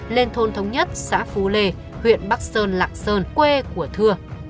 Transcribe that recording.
lên thôn thống nhất xã phú lê huyện bắc sơn lạc sơn quê của thưa